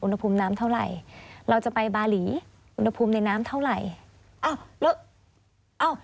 อุณหภูมิน้ำเท่าไหร่เราจะไปบาหลีอุณหภูมิในน้ำเท่าไหร่อ้าวแล้วเอ้า